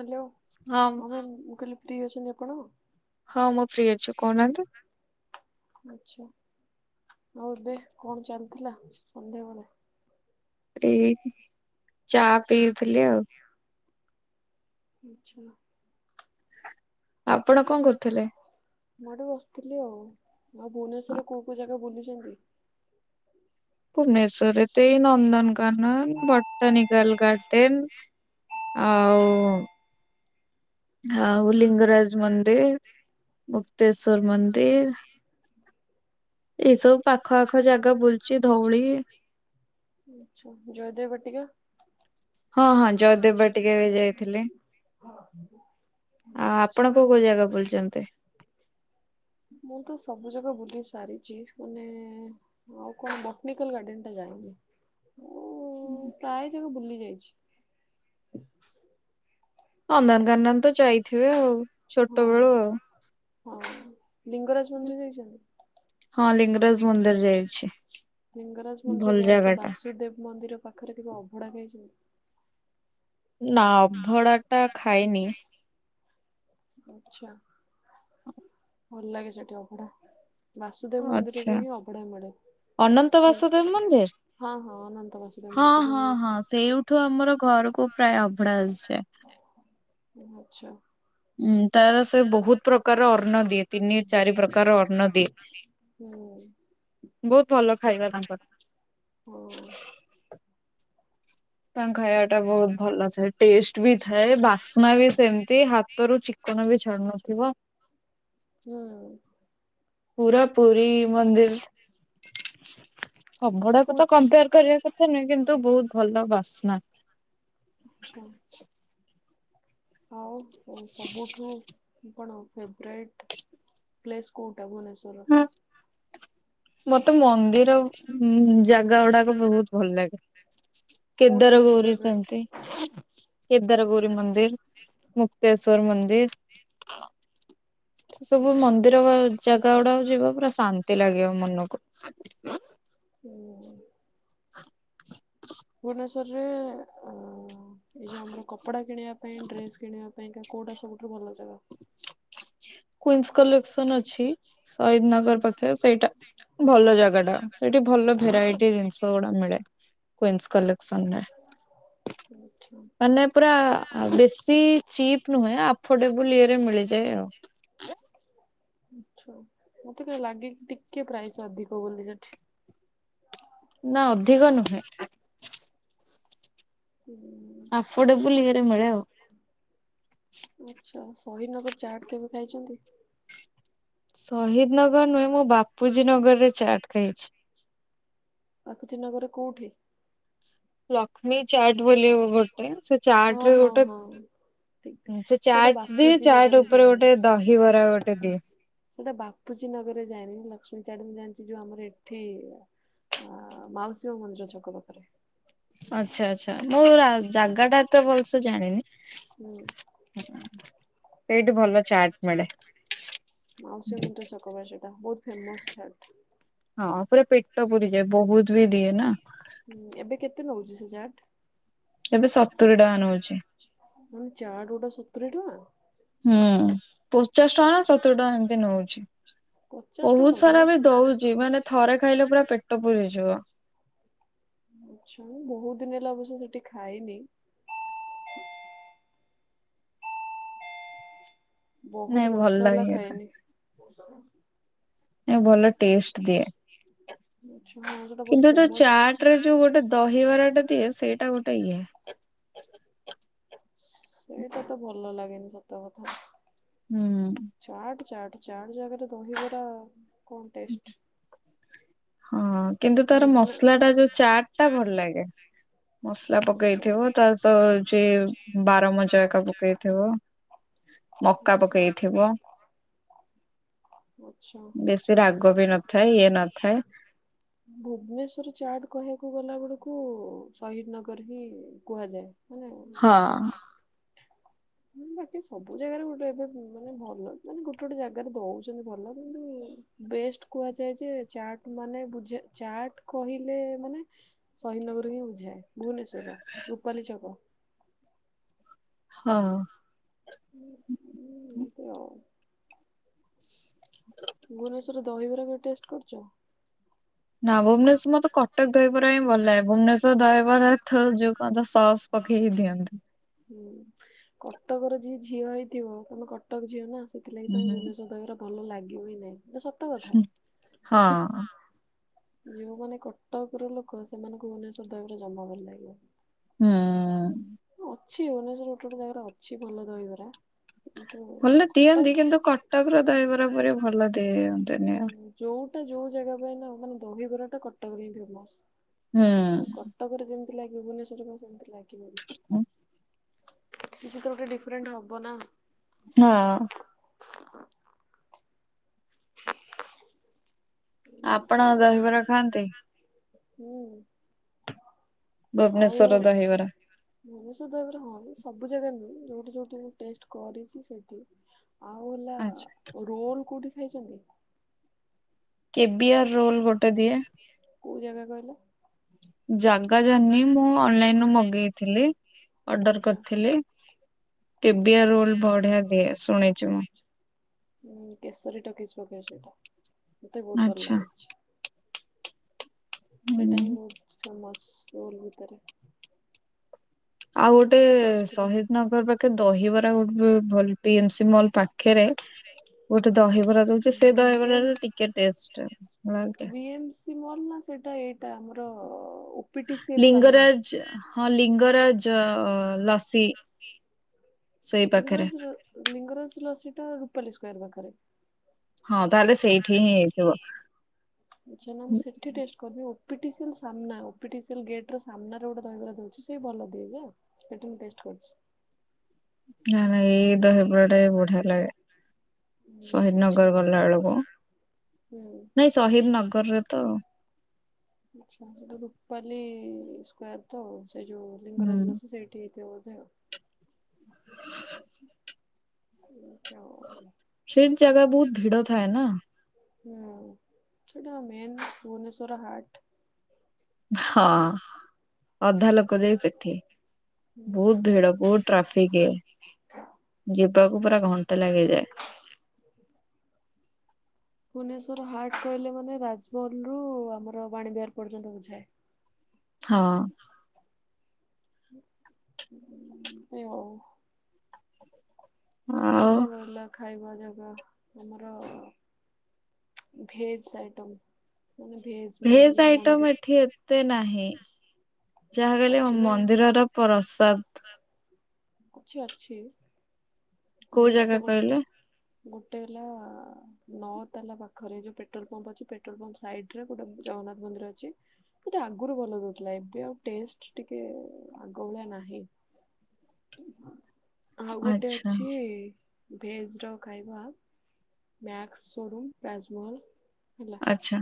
Hello ହଁ madam ମୁ କଲି ପ୍ରି ଅଛନ୍ତି ଆପଣ? ହଁ ମୁଁ ଫ୍ରୀ ଅଛି। କହୁନାହାନ୍ତି? ଆଚ୍ଛା, ଆଉ ଏବେ କଣ ଚାଲିଥିଲା ସନ୍ଧ୍ୟାବେଳେ? ଏଇ ଚା ପିଉଥିଲି ଆଉ। ମିଛ। ଆପଣ କଣ କରୁଥିଲେ? ମୁଁ ଏଠି ବସିଥିଲି ଆଉ। ଆଉ ଭୁବନେଶ୍ଵରରେ କୋଉ କୋଉ ଜାଗା ବୁଲିଛନ୍ତି? ଭୁବନେଶ୍ୱରରେ ତ ଏଇ ନନ୍ଦନକାନନ, ବଟାନିକାଲ ଗାର୍ଡେନ୍। ଆଉ ଆଉ ଲିଙ୍ଗରାଜ ମନ୍ଦିର, ମୁକ୍ତେଶ୍ଵର ମନ୍ଦିର [inaudible] ଏଇସବୁ ପାଖ ଆଖ ଜାଗା ବୁଲିଚି। ଧଉଳି ଆଚ୍ଛା। ଜୟଦେବ ବାଟିକା? ହଁ ହଁ ଜୟଦେବ ବାଟ ଆ ଆପଣ କୋଉ କୋଉ ଜାଗା ବୁଲିଛନ୍ତି [inaudible] ମୁଁ ତ ସବୁ ଜାଗା ବୁଲି ସାରିଛି। ମାନେ ମୁଁ ଆଉ କଣ ବଟାନିକାଲ ଗାର୍ଡେନ ଟା ଯାଇନି। ମୁଁ ପ୍ରାୟ ଜାଗା ବୁଲି ଯାଇଛି। ନନ୍ଦନକାନନ ତ ଯାଇଥିବେ ଆଉ। ଛୋଟ ହଁ ବେଳୁ ଆଉ। ହଁ ଲିଙ୍ଗରାଜ ମନ୍ଦିର ଯାଇଛନ୍ତି? ହଁ ଲିଙ୍ଗରାଜ ମନ୍ଦିର ଯାଇଛି। ଲିଙ୍ଗରାଜ ଭଲ ମନ୍ଦିର ଜାଗା ଯାଇକି ଟା ବାସୁଦେବ ମନ୍ଦିର ପାଖରେ କେଭେ ଅଭଡା ଖାଇଛନ୍ତି? ନା ଅଭଡା ଟା ଖାଇନି। ଆଚ୍ଛା। ଭଲ ଲାଗେ ସେଠି ଅବଢ଼ା। ବାସୁଦେବ ଆଚ୍ଛା ମନ୍ଦିରରେ ହିଁ ଅବଢା ମିଳେ। ଅନନ୍ତ ବାସୁଦେବ ମନ୍ଦିର? ହଁ ହଁ ଅନନ୍ତ ବାସୁଦେବ ହଁ ମନ୍ଦିର ଯୋଉ ହଁ ହଁ ସେଇଠୁ ଆମର ଘରକୁ ପ୍ରାୟ ଅବଢା ଆସିଯାଏ। ଆଚ୍ଛା। ହୁଁ ତାର ସେ ବହୁତ ପ୍ରକାର ଅନ୍ନ ଦିଏ। ତିନି ଚାରି ପ୍ରକାର ଅନ୍ନ ଦିଏ। ହୁଁ। ବହୁତ ଭଲ ଖାଇବା ତାଙ୍କର। ହଁ ତାଙ୍କ ଖାଇବା ଟା ବହୁତ ଭଲ ଥାଏ। ଟେଷ୍ଟ ବି ଥାଏ। ବାସ୍ନା ବି ସେମତି। ହାତ ତରୁ ଚିକନ ବି ଛାଡୁ ନଥିବ। ପୁଁ ପୁରା ପୁରୀ ମନ୍ଦିର। ଅଭଡାକୁ ତ ବହୁତ କମ୍ପେୟାର କରିବା କଥା ନୁହେଁ କିନ୍ତୁ ବହୁତ ଭଲ ବାସ୍ନା। ଆଛା ଆଉ ହ ସବୁଠୁ କି କଣ ଫେବରାଇଟ୍ ପ୍ଲେସ୍ କୋଉଟା ଭୁବନେଶ୍ୱର? ହଁ ମତେ ମନ୍ଦିର ଉଁ ଜାଗା ଗୁଡାକ ବହୁତ ଭଲ ଲାଗେ। କୋଉଟା କେଦାର ସବୁଠୁ ଗୌରୀ ଫେବରାଇଟ? ସେମିତି। କେଦାରଗୌରୀ ମନ୍ଦିର, ମୁକ୍ତେଶ୍ଵର ମନ୍ଦିର [inaudible] ସେ ସବୁ ଆଚ୍ଛା ମନ୍ଦିର ବା ଜାଗା ଗୁଡାକ ଯିବ ପୁରା ଶାନ୍ତି ଲାଗିବ। ମନକୁ ହୁଁ। [inaudible] ଭୁବନେଶ୍ୱରରେ ଉଁ ଏଇ ଯୋଉ ଆମର କପଡା କିଣିବା ପାଇଁ ଡ୍ରେସ କିଣିବା ପାଇଁ କୋଉଟା ସବୁଠୁ ଭଲ ଜାଗା। [inaudible] କୁଇନ୍ସ କଲେକ୍ସନ ଅଛି ସହିଦ ହୁଁ ନଗର ପାଖରେ ସେଇଟା ଭଲ ଜାଗା ଟା ସେଠି ଭଲ ଭେରାଇଟି ଜିନିଷ ଗୁଡା ମିଳେ କୁଇନ୍ସ କଲେ ସରିଲା। ଆଚ୍ଛା। ମାନେ ପୁରା ବେଶୀ ଚିପ୍ ନୁହେଁ ଆଫୋର୍ଡେବୁଲ ଇଏରେ ମିଳିଯାଏ ଆଉ। ଆଛା ମତେ କ ଲାଗେ କି ଟିକେ ପ୍ରାଇସ୍ ଅଧିକ ବୋଲି ସେଠି। ନା ଅଧିକ ନୁହେଁ। ହୁଁଟ ଆଫୋର୍ଡେବୁଲ ଇଏରେ ମିଳେ ଆଉ। ପରେଳ [unintelligible] ଆଛା ଶହିଦ ନଗର ଚାଟ କେବେ ଖାଇଛନ୍ତି? ଶହିଦ ନଗର ନୁହେଁ ମୁଁ ବାପୁଜୀ ନଗରରେ ଚାଟ୍ ଖାଇଛି। ବାପୁଜୀ ନଗରରେ କୋଉଠି? ଲକ୍ଷ୍ମୀ ଚାଟ ବୋଲି ଗୋଟେ ସେ ହଁ ଚାଟ ରେ ହଁ ଗୋଟେ ହଁ ଠିକ ସେ ସେଇଟା ଚାଟ ଦିଏ ବାପୁଜୀ ଚାଟ ନଗରରେ ଉପରେ ଯାଏନି। ଗୋଟେ ଦହିବରା ଗୋଟେ ଦିଏ। ସେଟା ବାପୁଜୀ ନଗରରେ ଯାଇନି ଲକ୍ଷ୍ମୀ ଚାଡଣୀ ଜାଣିଛି ଯୋଉ ଆମର ଏଠି ଅ ମାଉସୀମା ମନ୍ଦିର ଛକ ପାଖରେ। ଆଚ୍ଛା ଆଛା ମୁଁ ଜାଗା ଟା ଏତେ ଭଲସେ ଜାଣିନି। ହୁଁ। ଏଇଠି ଭଲ ଚାଟ ମିଳେ। ମାଉସୀମା ମନ୍ଦିର ଛକ ପାଖରେ ସେଇଟା ବହୁତ ଫେମସ ଚାଟ୍। ହଁ ପୁରା ପେଟ ପୁରିଯାଏ ବହୁତ ବି ଦିଏ ନା। ହୁଁ ଏବେ କେତେ ନଉଛି ସେ ଚାଟ? ଏବେ ସତୁରି ଟଙ୍କା ନଉଛି। ମାନେ ଚାଟ ଗୋଟା ସତୁରି ଟକା। ହୁଁ ପଚାଶ ଟଙ୍କା ନା ସତୁରି ଟଙ୍କା ଏମିତି ନଉଛି। ପଚାଶ ଟଙ୍କା ବହୁତ ନଉଥିବ ସାରା ବି ସତୁ ଦଉଛି ମାନେ ଥରେ ଖାଇଲେ ପୁରା ପେଟ ପୁରିଯିବ। ଆଛା ବହୁତ ଦିନ ହେଲା ଅବଶ୍ୟ ସେଠି ଖାଇନି। ନାଇଁ ବହୁତ ଭଲ ବର୍ଷ ହେଲା ଲାଗେ ଏଟା ଖାଇନି। ଭଲ ଟେଷ୍ଟ ଦିଏ ଆଚ୍ଛା ହଁ ସେଟା ବହୁତ କିନ୍ତୁ ଯୋଉ ଫେମସ ମିଳଛି। ଚାଟ ରେ ଯୋଉ ଗୋଟେ ଦହିବରାଟା ଦିଏ ସେଇଟା ଗୋଟେ ଇଏ। ସେଇଟା ତ ଭଲ ଲାଗେନି ସତ କଥା। ହୁଁ। ଚାଟ ଚାଟ ଚାଟ ଜାଗାରେ ଦହିବରା କଣ ଟେଷ୍ଟ? ହଁ କିନ୍ତୁ ତାର ଭୁବନ ମସଲା ଟା ଯୋଉ ଚାଟ ଆଚ୍ଛା। ଟା ଭଲ ଲାଗେ। ମସଲା ଆଚ୍ଛା। ପକେଇଥିବ ତା ସହ ଯେ ବାରମଜା ଏକା ପକେଇଥିବ। ମକା ପକେଇଥିବ। ଛା ବେଶୀ ରାଗ ର ବି ଲାଗ ନଥାଏ ଇଏ ଲାଗ ନଥାଏ। [unintelligible] ଭୁବନେଶ୍ଵର ଚାଟ କହିବାକୁ ଗଲା ବେଳକୁ ସହିଦ ନଗର ହିଁ କୁହାଯାଏ। ଉଁ ହଁ। ହୁଁ ବାକି ସବୁ ଜାଗାରେ ଗୋଟେ ଏବେ ମାନେ ଭଲ ମାନେ ଗୋଟେ ଗୋଟେ ଜାଗାରେ ଦଉଛନ୍ତି ଭଲ କିନ୍ତୁ ବେଷ୍ଟ କୁହାଯାଏ ଯେ ଚାଟ ମାନେ ବୁଝ ଚାଟ କହିଲେ ମାନେ ଶହିଦ୍ ନଗର ହିଁ ବୁଝାଏ ଭୁବନେଶର ରୂପାଲି ଛକ। ହଁ। ହ ହଁ ଏତ ହଉ [unintelligible] ଭୁବନେଶ୍ଵରରେ ଦହିବରା କୁ ଟେଷ୍ଟ କରୁଛ। ନା ଭୁବନେଶ୍ୱ ମତେ କଟକ ଦହିବରା ହିଁ ଭଲ ଲାଗେ ଭୁବନେଶ୍ଵର ଦହିବରା ଯୋଉ କନ୍ ତ ସସ ପକେଇକି ଦିଅନ୍ତି। ହୁଁ କଟକର ଯିଏ ଝିଅ ହେଇଥିବ ତମେ କଟକ ଝିଅ ନା। ସେଥିଲାଗି ହୁଁ ତମକୁ ହୁଁ। ଭୁବନେଶ୍ୱର ଦହିବରା ଭଲ ଲାଗିବ ହିଁ ନାଇଁ ଏଟା ସତ କଥା ହଁ। ଯୋଉମାନେ କଟକ ର ଲୋକ ସେମାନଙ୍କୁ ଭୁବନେଶ୍ଵର ଦହିବରା ଜମା ଭଲ ଲାଗିବନି। ହୁଁ। ଅଛି ଭୁବନେଶ୍ୱର ଗୋଟେ ଗୋଟେ ଜାଗାରେ ଅଛି ଭଲ ଦହିବରା‌। [unintelligible] ଭଲ ଦିଅନ୍ତି କିନ୍ତୁ କଟକର ଦହିବରା ପରି ଭଲ ଦିଅନ୍ତିନି ଆଉ। ଯୋଉଟା ଯୋଉ ଜାଗା ପାଇଁ ନା ମାନେ ଦହିିବରା ଟା କଟକ ହିଁ ଫେମସ ତ କ ହୁଁ କଟକରେ ଯେମିତି ଲାଗିବ ଭୁବନେଶ୍ୱର କ ସେମିତି ଲାଗିବ କି? ଅ କିଛି ତ ଗୋଟେ ଡିଫରେଣ୍ଟ ହବ ନା? ହଁ। ଆପଣ ଦହିବରା ଖାଆନ୍ତି? ହୁଁ। ଆଉ ଭୁବନେଶ୍ଵର ଦହିବରା? ଭୁବନେଶ୍ବର ଦହିବରା ହଁ ସବୁ ଜାଗା ନୁହେଁ ଯୋଉଠି ଯୋଉଠି ମୁ ଟେଷ୍ଟ କରିଛି ସେଠି ଆଉ ହେଲା ଆଚ୍ଛା ରୋଲ କୋଉଠି ଖାଇଛନ୍ତି? କେବିୟର୍ ରୋଲ୍ ଗୋଟେ ଦିଏ। କୋଉ ଜାଗା କହିଲ? ଜାଗା ଜାନିନି ମୁଁ ଅନଲାଇନ ରୁ ମଗେଇଥିଲି ଅର୍ଡର ଆଚ୍ଛା କରିଥିଲି। କେବିୟର ରୋଲ ବଢିଆ ଦିଏ ଶୁଣିଛି ମୁଁ। ଉଁ କେଶରୀ ଟକେଇଛି ପକେଇ ସେଇଟା ମତେ ବହୁତ ଭଲ ଆଚ୍ଛା ଲାଗୁଛି। ସେଟା ହିଁ ହୁଁ। ବହୁତ ଫେମସ ରୋଲ ଭିତରେ। ଆଉ ଗୋଟେ ଭଲ ଟେଷ୍ଟ ଥିଲା। ଶହଦି ନଗର ପାଖେ ଦହିବରା ଗୋଟେ ଭଲ ବିଏମସି ମଲ୍ ପାଖରେ। ଗୋଟେ ଦହିବରା ଦଉଛି ସେ ଦହିବରା ବିଏମ୍ସ ଟିକେ ଟେଷ୍ଟ ହଁ ଆଜ୍ଞା। କି ମଲ ନା ସେଟା ଏଇଟା ଆମର ଉ ଲିଙ୍ଗରାଜ ହଁ ଲିଙ୍ଗରାଜ ଲସି। ସେଇ ପାଖରେ ଲିଙ୍ଗରାଜ ଲିଙ୍ଗରାଜ ଲସି ଟା ରୂପାଲି ସ୍କ୍ୱାରେ ପାଖରେ। ହଁ ତାହେଲେ ସେଇଠି ତାହେଲେ ହିଁ ହେଇଥିବ। ସେଇଠି ଆଛା ନା ମୁଁ ସେଠି ଟେଷ୍ଟ କରିନି ଓପିଟିସି ସାମ୍ନା ଓପିଟିଶିଲ ଗେଟ୍ ର ସାମ୍ନା ଗୋଟେ ଦହିବରା ଦଉଛି ସେ ଭଲ ଦିଏ ଯା ସେଠା ମୁଁ ଟେଷ୍ଟ କରିଛି। ନା ନା ଏଇ ଦହିବରା ଟା ବି ବଢିଆ ଲାଗେ। ହୁଁ ଶହଦି ଆଚ୍ଛା ନଗର ଗଲା ବେଳକୁ ହୁଁ। ନାଇଁ ଶହଦି ନଗର ରେ ତ। ଆଛା ଏଟା ରୁପାଲି ସ୍କୋୟାର ତ ସେ ଯୋଉ ହୁଁ। ଲିଙ୍ଗରାଜ ଲସି ସେଇଠି ହେଇଥିବ ବୋଧେ? ଆଛା [unintelligible] ସେବ ଜାଗା ବହୁତ ଭିଡ ଥାଏ ନା। ହୁଁ ସେଟା ମେନ୍ ଭୁବନେଶ୍ଵରର ହାଟ। ହଁ ଅଧା ଲୋକ ଯାଇ ସେଠି ବହୁତ ହୁଁ। ଭିଡ ବହୁତ ଟ୍ରାଫିକି ଯିବାକୁ ପୁରା ଘଣ୍ଟା ଲାଗିଯାଏ। ଭୁବନେଶ୍ଵର ହାର୍ଟ କହିଲେ ମାନେ ରାଜମହଲ ରୁ ଆମର ବାଣୀ ବିହାର ପର୍ଯ୍ୟନ୍ତ ବୁଝାଏ। ହଁ। [unintelligible] ଆଉ କଣ ରହିଲା ଖାଇବା ଜାଗା? ତମର ଭେଜସ୍‌ ଆଇଟମ୍, ମାନେ ଭେଜ। ମିଲ୍ ଭେଜ୍‌ ୟା ଆଇଟମ୍ ମନ୍ଦି ଏଠି ଏତେ ନାହିଁ। ଯାହା କହିଲେ ଅଛି ନା ମନ୍ଦିରର ପ୍ରସାଦ। ଅଛି, ଅଛି। କୋଉ ଭେଜ୍‌ ଜାଗା ତ ଗୋଟେ, କହିଲେ ଗୋଟେ ହେଲା ନ ତାଲା ପାଖରେ ଯୋଉ ପେଟ୍ରୋଲ ପମ୍ପ ଅଛି, ପେଟ୍ରୋଲ ପମ୍ପ ସାଇଡ୍‌ରେ ଗୋଟେ ଜଗନ୍ନାଥ ମନ୍ଦିର ଅଛି। ସେଇଟା ଆଗୁରୁ ଭଲ ଦଉଥିଲା, ଏବେ ଆଉ ଟେଷ୍ଟ ଟିକେ-ଏ ଆଗ ଭଳିଆ ନାହିଁ। ଆଉ ଗୋଟେ ଆଚ୍ଛା ଅଛି ଭେଜ୍‌ ର ଖାଇବା ମ୍ୟାକ୍ସ ସୋରୁମ୍, ରାଜମହଲ ହେଲା ଆଚ୍ଛା।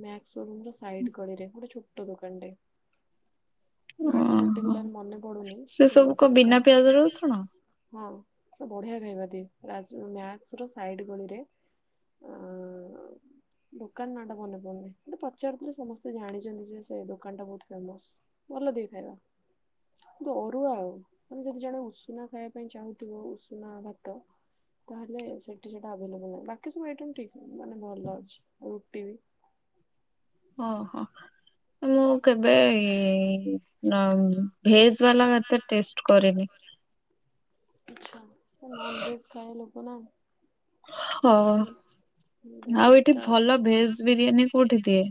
ମ୍ୟାକ୍ସ ସୋରୁମ୍ ର ସାଇଟ ଗଳିରେ, ଗୋଟେ ଛୋଟ ଦୋକାନଟେ। ନା ଟା ଓହୋ ପର୍ଟିକୁଲାର ମନେ ପଡୁନି, ସେ ସବୁ କ ବିନା ଦୋକାନ ପିଆଜ ରସୁଣ ହଁ, ସେ ବଢ଼ିଆ ଖାଇବା ଦିଏ, ମ୍ୟାକ୍ସର ସାଇଡ୍‌ ଗଳିରେ। ଟେ, ଆ-ଆ ଦୋକାନ ନାଁ ଟା ମନେ ପଡୁନି, ପଚାରିଦେଲେ ସମସ୍ତେ ଜାଣିଚନ୍ତି, ଯେ ସେ ଦୋକାନ ଟା ବହୁତ ଫେମସ୍‌। ଭଲ ଦିଏ ଖାଇବା। କିନ୍ତୁ ଅରୁଆ ଆଉ, ମାନେ ଯଦି ଜଣେ ଉଷୁନା ଖାଇବା ପାଇଁ ଚାହୁଁଥିବ ଉଷୁନା ଭାତ ତାହେଲେ ସେଠି ସେଟା ଆଭେଲେବଲ ନାହିଁ, ବାକି ସବୁ ଆଇଟମ୍ ଠିକ୍, ମାନେ ଭଲ ଅଛି, ରୁଟି ବି। ଓ ହୋ। ମୁଁ କେବେ ଭେଜ୍‌ ବାଲା ଭାତ ଟେଷ୍ଟ କରିନି। ହଁ, ମୁଁ ନନଭେଜ୍‌ ଖାୟା ଲୋକ ନା। ହଁ, ଭେଜ ଆଉ ଏଠି ଟା ଭଲ ଭେଜ୍‌ ବିରିୟାନୀ କୋଉଠି ଦିଏ?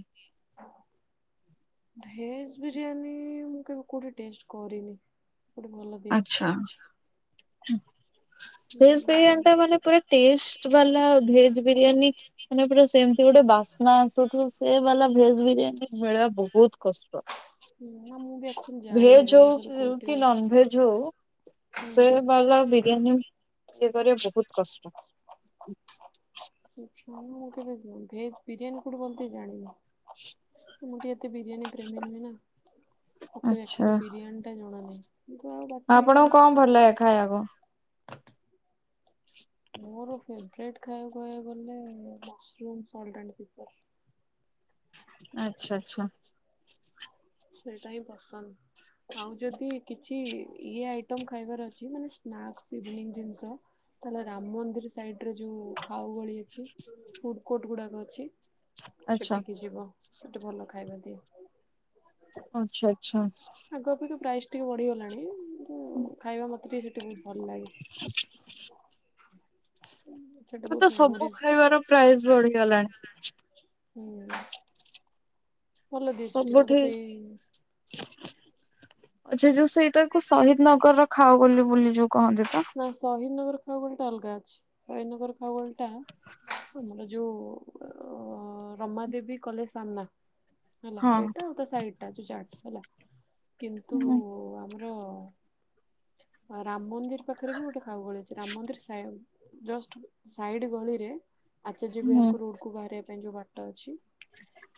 ଭେଜ୍‌ ବିରିୟାନୀ-ଇ ମୁଁ କେବେ କୋଉଠି ଟେଷ୍ଟ କରିନି। କୋଉଠି ଭଲ ଦିଏ? ଭେଜ୍‌ ବିରିୟାନୀ ଟା ମାନେ ପୁରା ଟେଷ୍ଟ ବାଲା ଭେଜ୍‌ ବିରିୟାନୀ ମାନେ ପୁରା ସେମତି ଗୋଟେ ବାସ୍ନା ଆସୁଥିବ, ସେ ବାଲା ଭେଜ୍‌ ବିରିୟାନୀ ମିଳିବା ବହୁତ କଷ୍ଟ। [unintelligible] ଜାଣିନି ଭେଜ୍‌ ଭୁବନେଶ୍ୱରରେ ହଉ କୋଉଠି କି ନନଭେଜ୍‌ ହଉ ହୁଁ ସେ ବାଲା ବିରିୟାନୀ ଇଏ କରିବା ବହୁତ କଷ୍ଟ। ମୁଁ କେବେ ଭେଜ୍‌ ବିରିୟାନୀ କୋଉଠି ବନତେ, ଜାଣିନି। [inaudible] ମୁଁ ଟିକେ ଏତେ ବିରିୟାନୀ ପ୍ରେମୀ ନୁହେଁ ନା, ମତେ ଆଚ୍ଛା ଆକଚୁଆଲି ବିରିୟାନୀଟା ଜଣା ନାହିଁ। କିନ୍ତୁ ଆଉ ବାକି ଆପଣଙ୍କୁ କଣ ଭଲ ଲାଗେ ଖାଇବାକୁ? ମୋର ଫେଭରେଟ୍ ଖାଇବାକୁ କହିବାକୁ ଗଲେ, ମସରୁମ୍ ସଲ୍ଟ ଆଣ୍ଡ ପେପର। ଆଚ୍ଛା, ଚ୍ଛା, ଚ୍ଛା। ସେଇଟା ହିଁ ପସନ୍ଦ, ଆଉ ଯଦି କି କିଛି ଇଏ ଆଇଟମ୍ ଖାଇବାର ଅଛି, ମାନେ ସ୍ନାକସ୍‌ [unintelligible] ଜିନିଷ। ତାହଲେ ରାମ ମନ୍ଦିର ସାଇଡ଼ରେ ଯୋଉ ଖାଓ ଗଳି ଅଛି, ଫୁଡ଼ କୋର୍ଟ ଗୁଡ଼ାକ ଅଛି। ଆଚ୍ଛା ସେଠିକି ଯିବ, ସେଠି ଭଲ ଖାଇବା ଦିଏ। ଅଚ୍ଛା। ଆଗ ଅପେକ୍ଷା ପ୍ରାଇସ୍ ଟିକେ ବଢ଼ି ଗଲାଣି, କିନ୍ତୁ ଖାଇବା ମୋତେ ଟିକେ ସେଠି ବହୁତ ଭଲ ଲା [unintelligible] ଏବେ ତ ସବୁ ଖାଇବାର ପ୍ରାଇସ୍ ବଢ଼ିଗଲାଣି। ହୁଁ। ଭଲ ଦିଏ ସେଠି ସବୁଠି ମତେ ସେଇ ଆଛା ଯୋଉ ସେଇଟାକୁ ସହିଦ ନଗରର ଖାଉ ଗଲି ବୋଲି ଯୋଉ କହନ୍ତି ତ। ହଁ ସହିଦନଗର ଖାଓ ଗଳ ଟା ଅଲଗା ଅଛି, ଫାଇନଗର ଖାଓଗଳି ଟା ଆମର ଯୋଉ [unintelligible] ଅ ରମା ଦେବୀ କଲେଜ ସାମ୍ନା। ହେଲା ହଁ। ସେଇଟା ଆଉ ତା ସାରଟ ଟା ଯୋଉ ଚାଟ୍ ହେଲା। କିନ୍ତୁ ହୁଁ ଆମର ଆଉ ରାମ ମନ୍ଦିର ପାଖରେ ବି ଗୋଟେ ଖାଉଗଳି ଅଛି। ରାମ ମନ୍ଦିର ସା ଜଷ୍ଟ ସାଇଡ ଗଳିରେ, ଆଚାର୍ଯ୍ୟ ହୁଁ ବିହାରକୁ ରୋଡ କୁ ବାହାରିବା ପାଇଁ ଯୋଉ ବାଟ ଅଛି।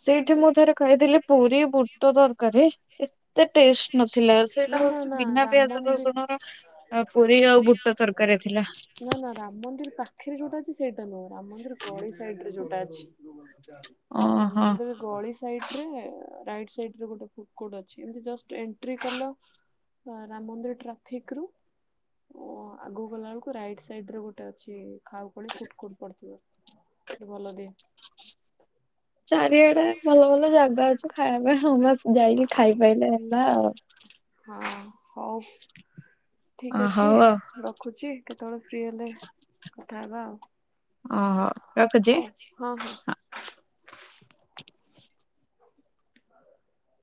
ସେଇଠି ମୁଁ ଥରେ ଖାଇଥିଲି ପୁରୀ ବୁଟ ଦରକାରୀ। ଏତେ ଟେଷ୍ଟ ନଥିଲା ନା ସେଇଟା ନା ହଉଛି ନା ବିନା ରାମ ପିଆଜ ମନ୍ଦିର ରଶୁଣ ର ପୁରୀ ଆଉ ବୁଟ ତରକାରୀ ଥିଲା। ନା ନା ରାମ ମନ୍ଦିର ପା ଖରେ ଯୋଉଟା ଅଛି ସେଇଟା ନୁହଁ ରାମ ମନ୍ଦିର ଗଳି ସାଇଡରେ ଯୋଉଟା ଅଛି ରାମ ଓହୋ। ମନ୍ଦିର ଗଳି ସାଇଟ ରେ ରାଇଟ ସାଇଟ ରେ ଗୋଟେ ଫୁଡ୍ କୋର୍ଟ ଅଛି ଏମତି ଜଷ୍ଟ ଏଣ୍ଟ୍ରି କଲ ହଁ ରାମ ମନ୍ଦିର ଟ୍ର ଫିକ ରୁ ଆଗକୁ ଗଲା ବେଳକୁ ରାଇଟ୍ ସାଇଟ ରେ ଗୋଟେ ଅଛି ଖାଉ ଖଳି ଫୁଡ୍ କୋର୍ଟ ପଡିଥିବ ସେ ଭଲ ଦିଏ। ଚାରିଆଡେ ଭଲ ଭଲ ଜାଗା ଅଛି ଖାଇବା ପାଇଁ ହଁ ବାସ୍ ଯାଇକି ଖାଇପାଇଲେ ହେଲା ଆଉ ହଁ ହଉ ଅ ଠିକ ଅଛି ହଉ ଆଉ ରଖୁଛି କେତେବେଳେ ଫ୍ରି ହେଲେ କଥା ହେବା ଆଉ। ଓହୋ ରଖୁଛି। ହଉ ହଁ ହଁ। ହ [inaudible]